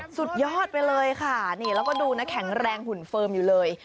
สุดยอดไปเลยค่ะนี่แล้วก็ดูนะแข็งแรงหุ่นเฟิร์มอยู่เลย